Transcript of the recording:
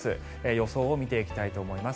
予想を見ていきたいと思います。